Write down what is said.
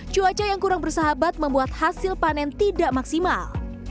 cuaca yang kurang bersahabat membuat hasil panen tidak maksimal